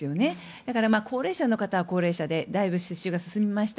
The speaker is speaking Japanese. だから高齢者の方は高齢者でだいぶ、接種が進みました。